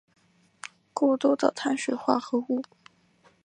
过多的碳水化合物